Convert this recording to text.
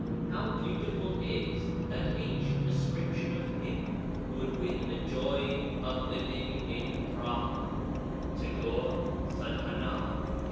How beautiful is that ancient description of him who would win the joy of living in Brahma (Tagore, Sadhanâ, p.